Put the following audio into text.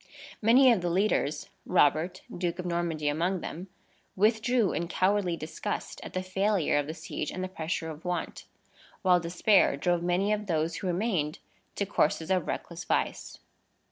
Many of the leaders (Robert, Duke of Normandy, among them), withdrew in cowardly disgust at the failure of the siege and the pressure of want; while despair drove many of those who remained to courses of reckless vice.